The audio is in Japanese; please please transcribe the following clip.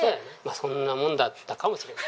そんなもんだったかもしれん。